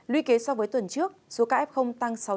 luy kế so với tuần trước số ca f tăng sáu trăm sáu mươi tám hai